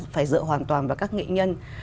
phải dựa hoàn toàn vào các nghệ nhân